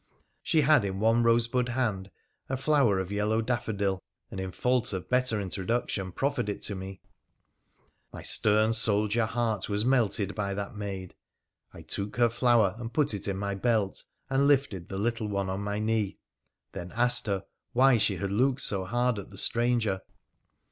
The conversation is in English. She had in one rosebud hand a flower of yellow daffodil, and in fault of better introduction proffered it to me. My stern soldier heart was melted by that maid. I took her flower and PHRA THE PHCENIC1AN 245 pin it in my belt, and lifted the little one on my knee, then asked her why she had looked so hard at the stranger.